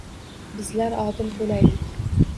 Bizlar odil bo’laylik.